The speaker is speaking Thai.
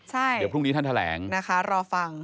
ใช่นะคะรอฟังเดี๋ยวพรุ่งนี้ท่านแถลง